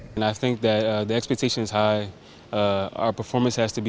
dan saya pikir keharusan kita tinggi performa kita harus menarik